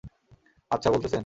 আচ্ছা, বলতেসেন।